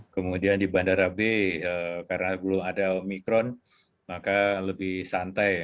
kemudian di bandara b karena belum ada omikron maka lebih santai